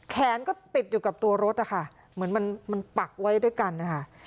แขนก็ติดอยู่กับตัวรถนะคะเหมือนมันปักไว้ด้วยกันนะคะ